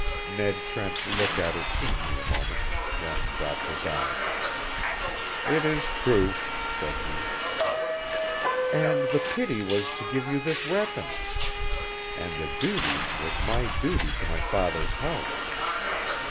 Ned Trent looked at her keenly a moment, then dropped his eyes. "It is true," said he. "And the pity was to give you this weapon; and the duty was my duty to my father's house."